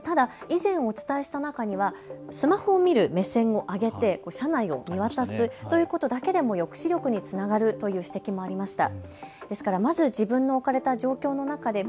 ただ以前お伝えした中にはスマホを見る目線を上げて車内を見渡すということだけでも抑止力につながるという指摘もありました。